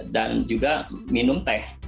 dan juga minum teh yang lainnya ya